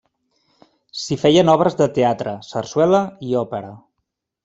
S'hi feien obres de teatre, sarsuela i òpera.